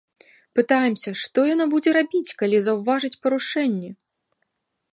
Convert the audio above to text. Пытаемся, што яна будзе рабіць, калі заўважыць парушэнні?